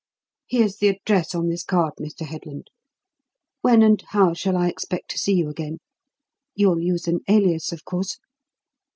Here's the address on this card, Mr. Headland. When and how shall I expect to see you again? You'll use an alias, of course?"